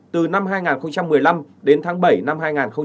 từ năm hai nghìn một mươi năm đến tháng bảy năm hai nghìn một mươi chín